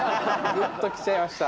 グッときちゃいました？